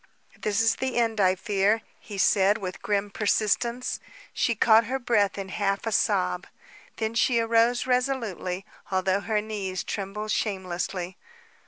"This is the end, I fear," he said, with grim persistence. She caught her breath in half a sob. Then she arose resolutely, although her knees trembled shamelessly.